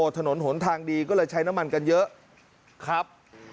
ถนนหนทางดีก็เลยใช้น้ำมันกันเยอะครับ